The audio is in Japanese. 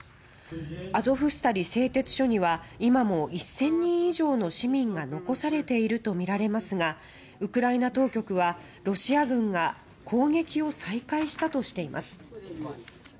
アゾフスタリ製鉄所には今も１０００人以上の市民が残されているとみられますがウクライナ当局は、ロシア軍が攻撃を再開したとしています。